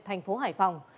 thành phố hải phòng